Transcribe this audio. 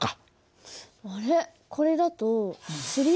あれ？